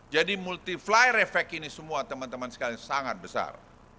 jadi multi flyer efek ini semua teman teman sekalian sangat besar